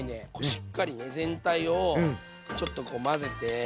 しっかりね全体をちょっとこう混ぜて。